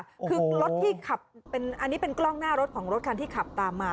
คือรถที่ขับเป็นอันนี้เป็นกล้องหน้ารถของรถคันที่ขับตามมา